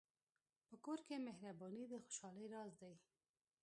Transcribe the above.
په کور کې مهرباني د خوشحالۍ راز دی.